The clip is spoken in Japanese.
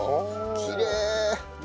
きれい！